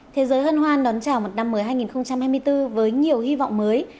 thế giới hân hoan đón chào một năm mới hai nghìn hai mươi bốn với nhiều hy vọng mới